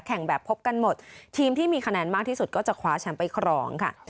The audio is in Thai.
แข่งแบบพบกันหมดทีมที่มีคะแนนมากที่สุดก็จะคว้าแชมป์ไปครองค่ะ